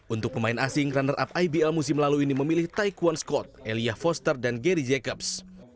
untuk pemain asing runner up ibl musim lalu ini memilih taekwon scott elia foster dan gary jacobs